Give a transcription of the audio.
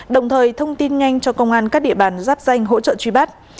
đồng thời thông tin nhanh cho công an các địa bàn giáp danh hỗ trợ truy bắt